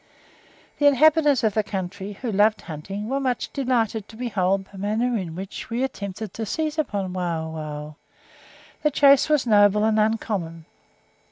The inhabitants of the country, who loved hunting, were much delighted to behold the manner in which we attempted to seize upon Wauwau; the chase was noble and uncommon.